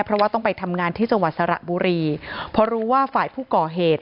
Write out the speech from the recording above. เพราะว่าต้องไปทำงานที่จังหวัดสระบุรีเพราะรู้ว่าฝ่ายผู้ก่อเหตุ